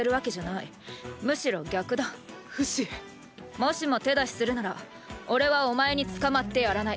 もしも手出しするならおれはお前に捕まってやらない。